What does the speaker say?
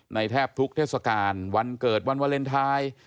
แทบทุกเทศกาลวันเกิดวันวาเลนไทย